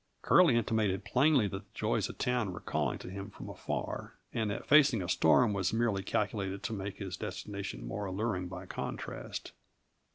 Curly intimated plainly that the joys of town were calling to him from afar, and that facing a storm was merely calculated to make his destination more alluring by contrast.